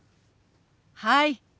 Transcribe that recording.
はい。